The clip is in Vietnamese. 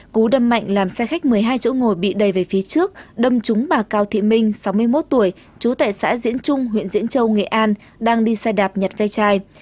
cú đâm mạnh làm xe khách một mươi hai chỗ ngồi bị đầy về phía trước đâm trúng bà cao thị minh sáu mươi một tuổi trú tại xã diễn trung huyện diễn châu nghệ an đang đi xe đạp nhặt gây chai